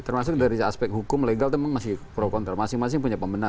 terima kasih pak gita